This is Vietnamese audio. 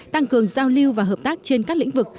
tăng cường giao lưu và hợp tác trên các lĩnh vực